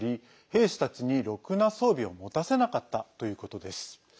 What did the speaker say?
兵士たちに、ろくな装備を持たせなかったということです。